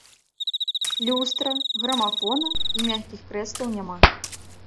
Люстра, грамафона і мяккіх крэслаў няма.